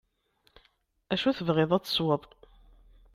Acu tebɣiḍ ad tesweḍ.